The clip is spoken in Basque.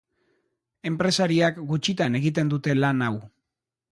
Enpresariak gutxitan egiten dute lan hau.